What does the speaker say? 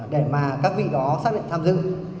để mà các vị đó xác định tham dự